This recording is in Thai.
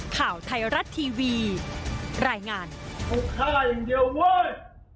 ข่าวไทยรัตน์ทีวีรายงานทุกข้าอย่างเดียวเว้ย